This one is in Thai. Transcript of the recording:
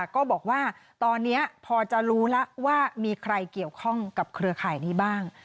ก็บอกว่าตอนนี้พอจะรู้แล้วว่ามีใครเกี่ยวข้องกับเครือข่ายนี้บ้าง